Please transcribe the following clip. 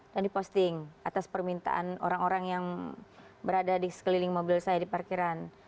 dan diposting atas permintaan orang orang yang berada di sekeliling mobil saya di parkiran